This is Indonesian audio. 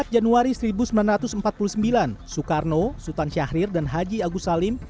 empat januari seribu sembilan ratus empat puluh sembilan soekarno sultan syahrir dan haji agus salim